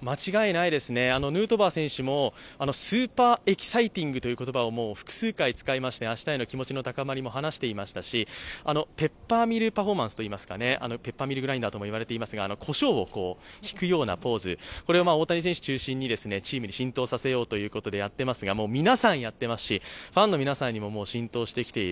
間違いないですね、ヌートバー選手もスーパーエキサイティングという言葉を複数回使いまして、明日への気持ちの高まりを話していましたし、ペッパーミルパフォーマンスこしょうを引くようなポーズを大谷選手を中心にチームに浸透させるようにしていますし皆さんやっていますし、ファンの皆さんにも、もう浸透してきている。